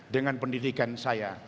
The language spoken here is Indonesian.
dengan pendidikan saya